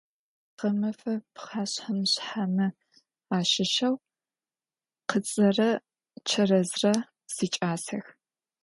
Гъэмэфэ пхъэшъхьэ-мышъхьэмэ ащыщэу къыцэрэ чэрэзрэ сикӏасэх.